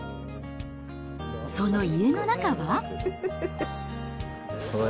その家の中は。